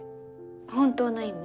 本当の意味？